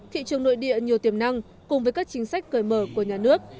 thị trường nội địa nhiều tiềm năng cùng với các chính sách cởi mở của nhà nước